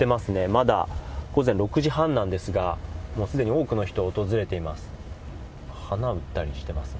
まだ午前６時半なんですが、もうすでに多くの人が訪れています。